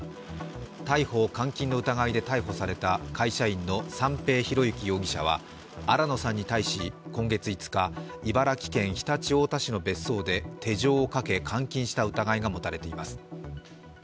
逮捕・監禁の疑いで逮捕された会社員の三瓶博幸容疑者は新野さんに対し、今月５日茨城県常陸太田市の別荘で手錠をかけ監禁した疑いが持たれています。